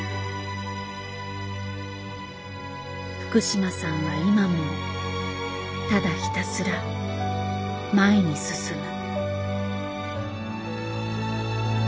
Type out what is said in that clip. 福島さんは今もただひたすら前に進む。